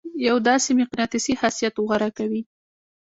يو داسې مقناطيسي خاصيت غوره کوي.